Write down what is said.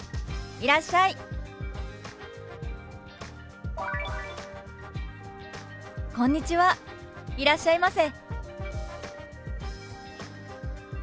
いらっしゃいませ」。